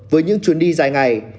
với những chuyến đi dài ngày